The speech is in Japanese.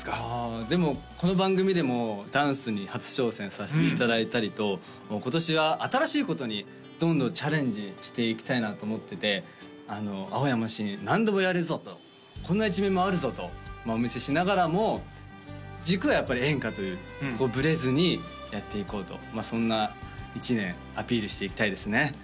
あでもこの番組でもダンスに初挑戦させていただいたりと今年は新しいことにどんどんチャレンジしていきたいなと思ってて「青山新何でもやるぞ」と「こんな一面もあるぞ」とお見せしながらも軸はやっぱり演歌というブレずにやっていこうとまあそんな一年アピールしていきたいですね